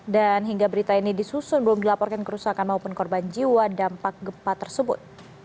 dan hingga berita ini disusun belum dilaporkan kerusakan maupun korban jiwa dampak gempa tersebut